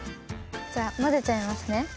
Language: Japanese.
じゃあ混ぜちゃいますね。